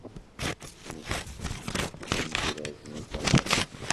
Nekk d tamezrawt n usaḍuf.